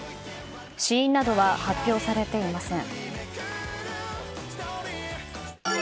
死因などは発表されていません。